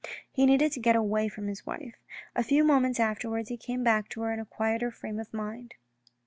He needed to get away from his wife. A few moments afterwards he came back to her in a quieter frame of mind.